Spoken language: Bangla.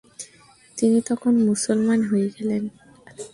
তিনি তখন মুসলমান হয়ে গেলেন।